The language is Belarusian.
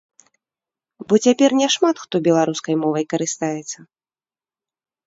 Бо цяпер няшмат хто беларускай мовай карыстаецца.